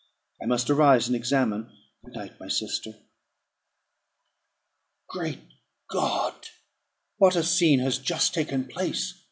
I must arise, and examine. Good night, my sister. Great God! what a scene has just taken place!